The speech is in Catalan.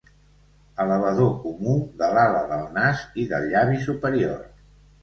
Elevador comú de l'ala del nas i del llavi superior.